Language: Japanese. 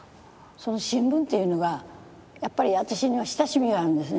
その新聞っていうのがやっぱり私には親しみがあるんですね。